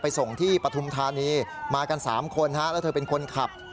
ส่งที่ปฐุมธานีมากัน๓คนแล้วเธอเป็นคนขับ